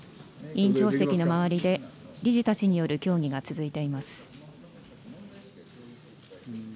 委員長席の周りで、理事たちによる協議が続いています。